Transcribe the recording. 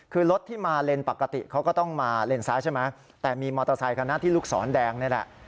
คือรถที่มาเลนปกติเขาก็ต้องมาเลนซ้ายใช่ไหมแต่มีมอเตอร์ไซคันหน้าที่ลูกศรแดงนี่แหละ